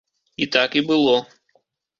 І так і было.